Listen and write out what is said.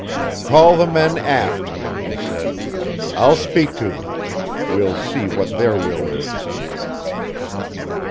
"Call the men aft," he said. "I'll speak to them. We'll see what their will is."